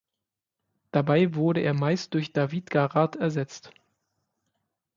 Dabei wurde er meist durch David Garrard ersetzt.